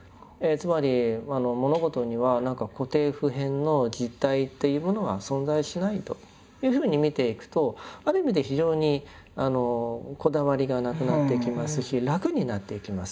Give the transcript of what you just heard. つまり物事には何か固定普遍の実体というものは存在しないというふうに見ていくとある意味で非常にこだわりがなくなっていきますし楽になっていきます。